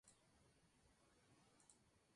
Fruto cápsula subglobosa.